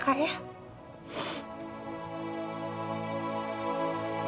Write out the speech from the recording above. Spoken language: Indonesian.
aku mau menambahkan pikirannya bapak